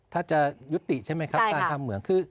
ถ้าจะยุติใช่ไหมครับการทำเหมืองคือ